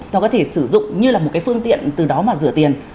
nó có thể sử dụng như là một cái phương tiện từ đó mà rửa tiền